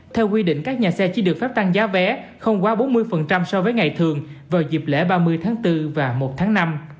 theo quy định các nhà xe chỉ được phép tăng giá vé không quá bốn mươi so với ngày thường vào dịp lễ ba mươi tháng bốn và một tháng năm